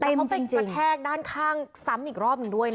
แต่เขาไปกระแทกด้านข้างซ้ำอีกรอบหนึ่งด้วยนะ